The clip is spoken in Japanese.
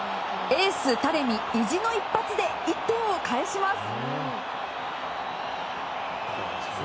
エース、タレミ意地の一発で１点を返します。